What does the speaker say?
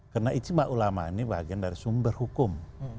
karena ijma ulama ini bagian dari sumber hukum